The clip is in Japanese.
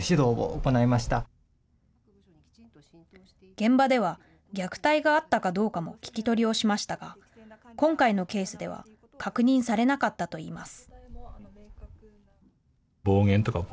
現場では虐待があったかどうかも聞き取りをしましたが今回のケースでは確認されなかったといいます。